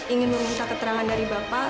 ingin meminta keterangan dari bapak